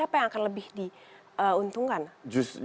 tapi siapa yang akan lebih diuntungkan